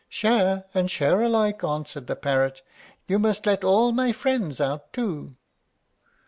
"Share and share alike," answered the parrot; "you must let all my friends out too."